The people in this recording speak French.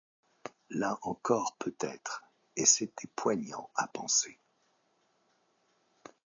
Là encore peut-être, et c’était poignant à penser.